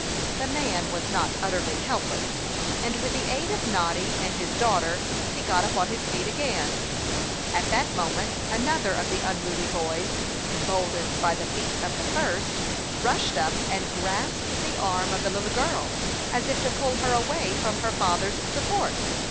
The man was not utterly helpless; and with the aid of Noddy and his daughter he got upon his feet again. At that moment another of the unruly boys, emboldened by the feat of the first, rushed up and grasped the arm of the little girl, as if to pull her away from her father's support.